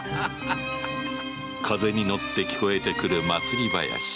風に乗って聞こえてくる祭り囃子